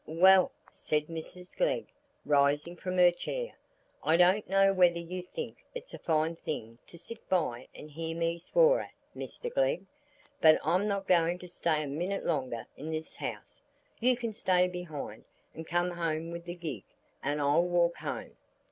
"Well," said Mrs Glegg, rising from her chair, "I don't know whether you think it's a fine thing to sit by and hear me swore at, Mr Glegg; but I'm not going to stay a minute longer in this house. You can stay behind, and come home with the gig, and I'll walk home."